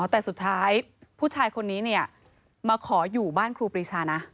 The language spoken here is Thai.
แต่สุดท้ายผู้ชายคนนี้เนี่ยมาขออยู่บ้านครูปรีชานะ